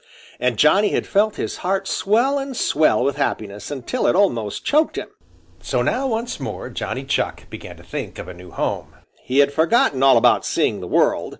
And Johnny had felt his heart swell and swell with happiness until it almost choked him. So now once more Johnny Chuck began to think of a new home. He had forgotten all about seeing the world.